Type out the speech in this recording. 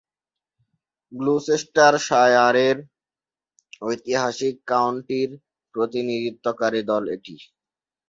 গ্লুচেস্টারশায়ারের ঐতিহাসিক কাউন্টির প্রতিনিধিত্বকারী দল এটি।